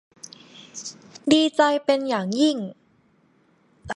ดีใจเป็นอย่างยิ่ง